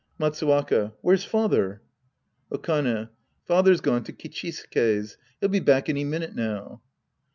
Matsuwaka. Where's father ? Okane. Father's gone to Kichisuke's. He'll be back any minute now.